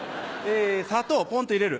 砂糖ポンと入れる。